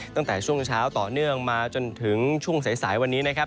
ตั้งแต่ช่วงเช้าต่อเนื่องมาจนถึงช่วงสายวันนี้นะครับ